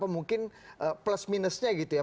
mungkin plus minusnya gitu ya